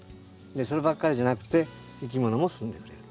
そればっかりじゃなくていきものもすんでくれる。